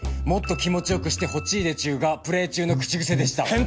「“もっと気持ちよくしてほちいでちゅ”がプレイ中の口癖でした」